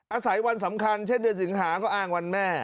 อาศัยวันสำคัญเช่นเดือนสิงหาก็อ้างวันแม่